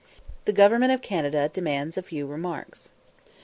The Government of Canada demands a few remarks.